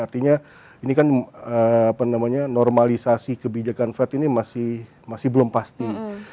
artinya ini kan normalisasi kebijakan fed ini masih belum pasti